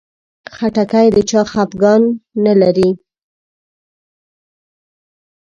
خټکی د چا خفګان نه لري.